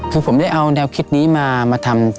คือผมได้เอาแนวคิดนี้มาทำ